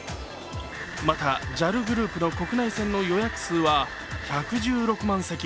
またＪＡＬグループの国内線の予約数は１１６万席。